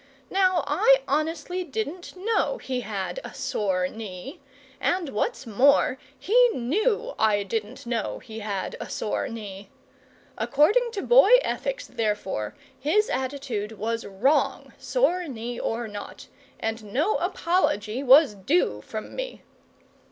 Now, I honestly didn't know he had a sore knee, and, what's more, he knew I didn't know he had a sore knee. According to boy ethics, therefore, his attitude was wrong, sore knee or not, and no apology was due from me.